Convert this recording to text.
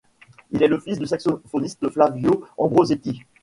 Il est le fils du saxophoniste Flavio Ambrosetti.